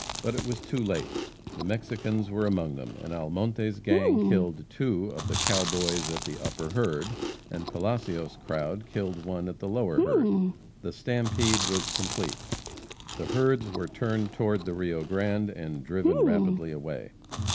But it was too late. The Mexicans were among them, and Almonte's gang killed two of the "cow boys" at the upper herd, and Palacios' crowd killed one at the lower herd. The "stampede" was complete. The herds were turned toward the Rio Grande, and driven rapidly away.